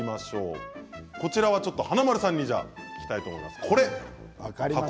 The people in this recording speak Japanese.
華丸さんに聞きたいと思います。